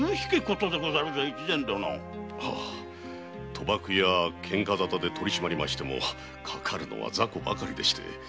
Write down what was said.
賭博や喧嘩沙汰で取り締まりましてもかかるのは雑魚ばかりでして。